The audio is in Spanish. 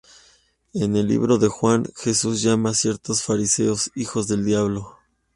En el Libro de Juan, Jesús llama a ciertos Fariseos "hijos del diablo".